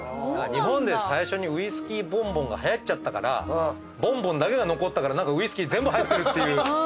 日本で最初にウイスキーボンボンがはやっちゃったからボンボンだけが残ったから何かウイスキー全部入ってるっていうイメージだけどね。